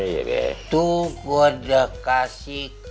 itu gue udah kasih